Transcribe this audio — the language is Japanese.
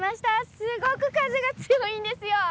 すごく風が強いんですよ。